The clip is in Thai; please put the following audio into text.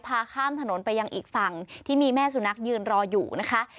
ข้ามถนนไปยังอีกฝั่งที่มีแม่สุนัขยืนรออยู่นะคะ